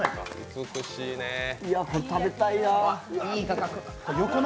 いや、これ食べたいな。